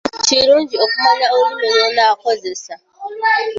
Kirungi okumanya olulimi lw'onaakozesa.